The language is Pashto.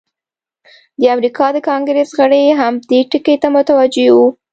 د امریکا د کانګریس غړي هم دې ټکي ته متوجه وو.